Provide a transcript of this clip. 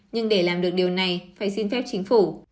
nhưng để làm được điều này phải xin phép chính phủ